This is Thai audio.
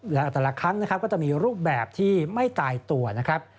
และแต่ละครั้งนะครับก็จะมีรูปแบบที่ไม่ตายตัวนะครับ